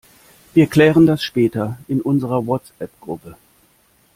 Wir klären das später in unserer WhatsApp-Gruppe.